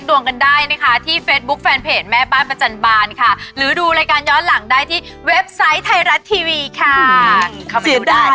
วันนี้ก็ต้องขอขอบคุณอาจารย์กฐามากเลยนะคะ